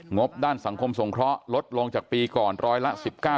งบด้านสังคมสงเคราะห์ลดลงจากปีก่อนร้อยละ๑๙